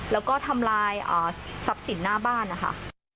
แล้วก็ทำลายทรัพย์สินหน้าบ้านนะคะ